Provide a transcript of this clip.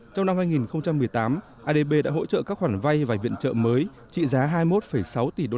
trong năm hai nghìn một mươi tám adb đã hỗ trợ các khoản vay và viện trợ mới trị giá hai mươi một sáu tỷ usd